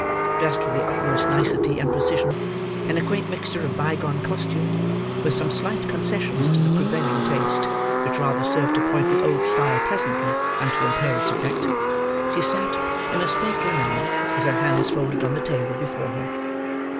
Dressed with the utmost nicety and precision, in a quaint mixture of by gone costume, with some slight concessions to the prevailing taste, which rather served to point the old style pleasantly than to impair its effect, she sat, in a stately manner, with her hands folded on the table before her.